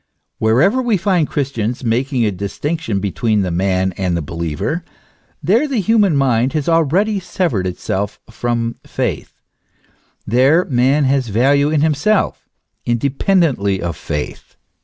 Wherever we find Christians making a distinction between the man and the believer, there the human mind has already severed itself from faith; there man has value in himself, independently of faith.